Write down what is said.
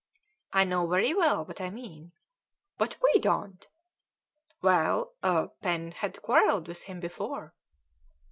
"I know very well what I mean." "But we don't." "Well, Pen has quarrelled with him before."